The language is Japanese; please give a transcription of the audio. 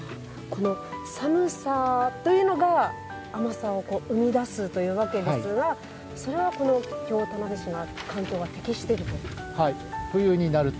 寒さというのが甘さを生み出すというわけですがそれは京田辺市の環境が適していると。